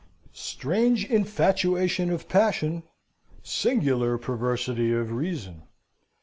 Strange infatuation of passion singular perversity of reason!